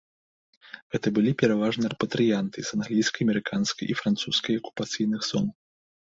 Гэта былі пераважна рэпатрыянты з англійскай, амерыканскай і французскай акупацыйных зон.